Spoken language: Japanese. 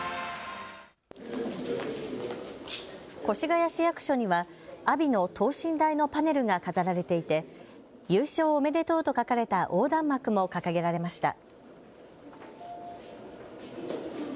越谷市役所には阿炎の等身大のパネルが飾られていて優勝おめでとうと書かれた横断幕も掲げられました。